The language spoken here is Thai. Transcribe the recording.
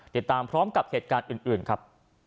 ติดตามพร้อมกับเหตุการณ์อื่นครับ